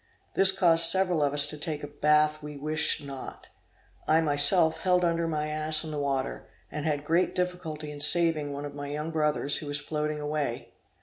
This caused several of us to take a bath we wished not; I was myself held under my ass in the water, and had great difficulty in saving one of my young brothers who was floating away.